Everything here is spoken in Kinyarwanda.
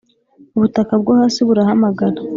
ubutaka bwo hasi burahamagara